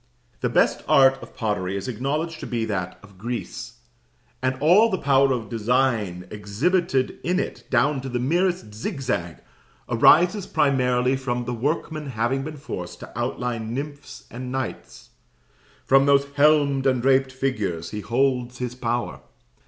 The best art of pottery is acknowledged to be that of Greece, and all the power of design exhibited in it, down to the merest zigzag, arises primarily from the workman having been forced to outline nymphs and knights; from those helmed and draped figures he holds his power.